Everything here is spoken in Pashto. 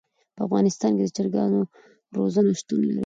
په افغانستان کې د چرګانو روزنه شتون لري.